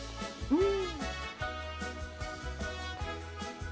うん。